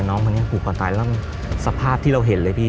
น้องในหุ่นตายแล้วสภาพที่เราเห็นเลย